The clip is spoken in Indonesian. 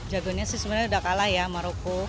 jagonya sih sebenarnya udah kalah ya maroko